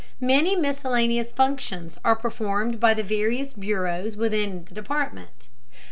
Many miscellaneous functions are performed by the various bureaus within the department.